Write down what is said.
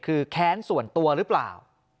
คือแค้นส่วนตัวหรือเปล่า